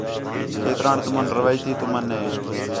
کھیتران تُمن روایتی تُمن ہے